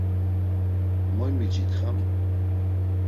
Moy miç̌itxam?